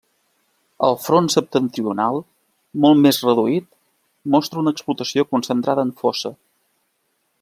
El front septentrional, molt més reduït, mostra una explotació concentrada en fossa.